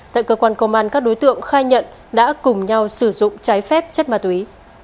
tại cơ quan công an các đối tượng khai nhận đã cùng nhau sử dụng trái phép chất ma túy